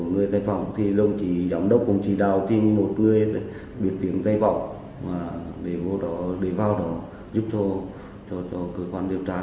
giám đốc cũng chỉ đào tìm một người biệt tiếng tây vọng để vào đó giúp cho cơ quan điều tra